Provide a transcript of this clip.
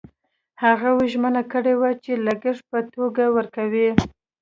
هغوی ژمنه کړې وه چې لګښت په توګه ورکوي.